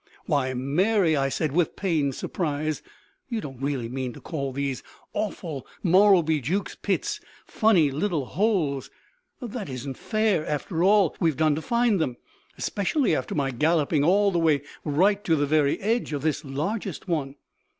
"Why, Mary," I said with pained surprise. "You don't really mean to call these awful Morrowbie Jukes pits 'funny little holes'! That isn't fair after all we've done to find them. Especially after my galloping all the way right to the very edge of this largest one."